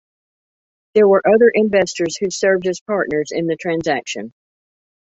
There were other investors who served as partners in the transaction.